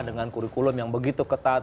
dengan kurikulum yang begitu ketat